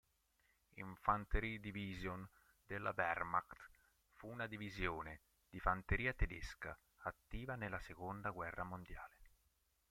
Infanterie-Division della Wehrmacht fu una divisione di fanteria tedesca attiva nella seconda guerra mondiale.